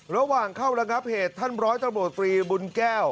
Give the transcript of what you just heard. ระหว่างเข้าระงับเหตุท่านร้อยตำรวจตรีบุญแก้ว